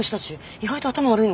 意外と頭悪いのかな？